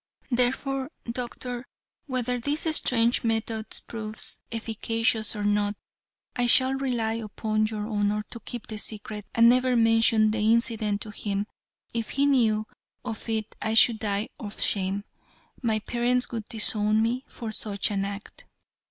Therefore, Doctor, whether this strange method proves efficacious or not, I shall rely upon your honor to keep the secret, and never mention the incident to him. If he knew of it I should die of shame. My parents would disown me for such an act."